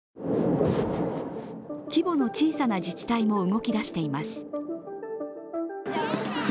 規模の小さな自治体も動きだしています。